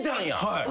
はい。